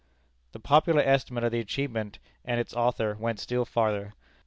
The popular estimate of the achievement and its author went still farther.